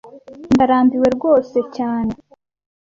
Ndarambiwe rwose cyane